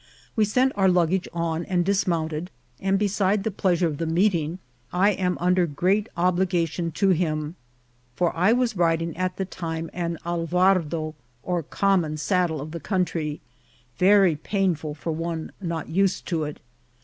We sent our lug gage on and dismounted ; and besides the pleasure of the meeting, I am under great obligation to him, for I was riding at the time on an alvardo, or common sad dle of the country, very painful for one not used to it.